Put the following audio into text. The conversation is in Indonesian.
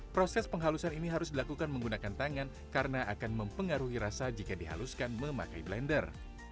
proses penghalusan ini harus dilakukan menggunakan tangan karena akan mempengaruhi rasa jika dihaluskan memakai blender